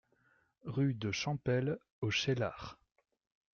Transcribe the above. Rue de Champel au Cheylard